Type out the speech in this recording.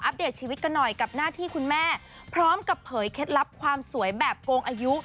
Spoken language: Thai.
สำหรับองค์กาลนางงามเนี่ย